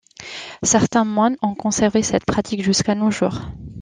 Certains moines ont conservé cette pratique jusqu'à nos jours.